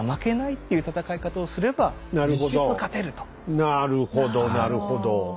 なるほどなるほど。